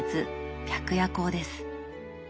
「白夜行」です。